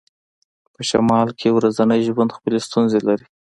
په شمال کې ورځنی ژوند خپلې ستونزې لري